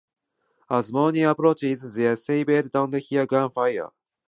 As morning approaches, they suddenly hear gunfire and spot a caravan of military vehicles.